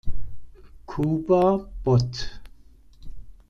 Cuba, Bot.